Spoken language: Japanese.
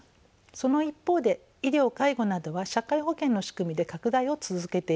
その一方で医療介護などは社会保険の仕組みで拡大を続けています。